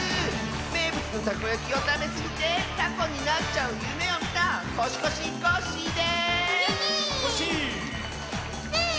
めいぶつのたこやきをたべすぎてたこになっちゃうゆめをみたコシコシコッシーです！